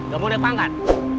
gak boleh pangkat